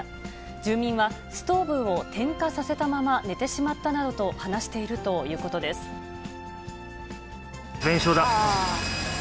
住民はストーブを点火させたまま寝てしまったなどと話していると全焼だ。